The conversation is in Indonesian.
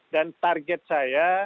dan target saya